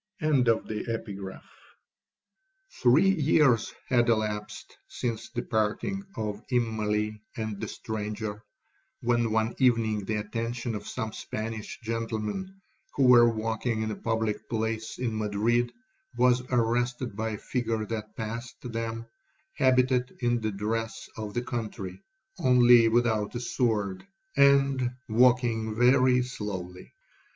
'Three years had elapsed since the parting of Immalee and the stranger, when one evening the attention of some Spanish gentlemen, who were walking in a public place in Madrid, was arrested by a figure that passed them, habited in the dress of the country, (only without a sword), and walking very slowly.